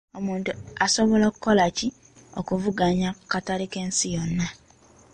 Omuntu asobola kukola ki okuvuganya ku katale k'ensi yonna?